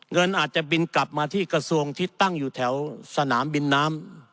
เงินอาจจะบินกลับมาที่กระทรวงที่ตั้งอยู่แถวสนามบินน้ำ